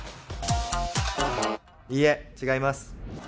いいえ、違います。